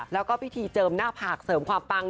แล้วก็พิธีเจิมหน้าผากเสริมความปัง